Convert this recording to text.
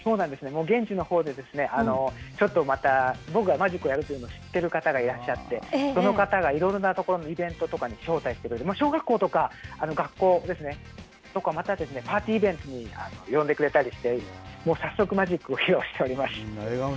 もう現地のほうで、ちょっとまた、僕がマジックをやってるということを知ってる方がいらっしゃって、その方がいろんな所のイベントとかに招待してくれて、小学校とか、学校ですね、またパーティーイベントに呼んでくれたりして、早速、マジックを披露しております。